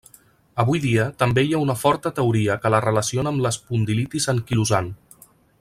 Avui dia també hi ha una forta teoria que la relaciona amb l'espondilitis anquilosant.